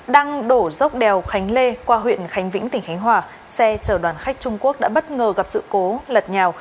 đăng đổ dốc đèo khánh lê qua huyện khánh vĩnh tỉnh khánh hòa xe chở đoàn khách trung quốc đã bất ngờ gặp sự cố lật nhào